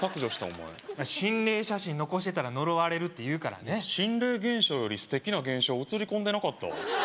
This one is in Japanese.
お前心霊写真残してたら呪われるっていうからね心霊現象より素敵な現象写り込んでなかった？